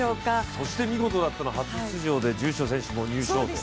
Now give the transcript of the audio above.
そして見事だったのが初出場で住所選手も入賞と。